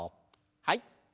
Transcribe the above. はい。